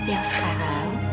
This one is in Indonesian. tapi yang sekarang